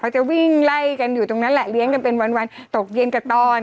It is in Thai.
จะวิ่งไล่กันอยู่ตรงนั้นแหละเลี้ยงกันเป็นวันตกเย็นกับตอน